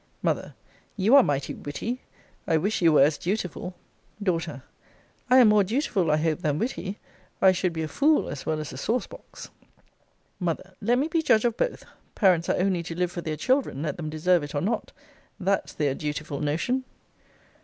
M. You are mighty witty. I wish you were as dutiful. D. I am more dutiful, I hope, than witty; or I should be a fool as well as a saucebox. M. Let me be judge of both Parents are only to live for their children, let them deserve it or not. That's their dutiful notion!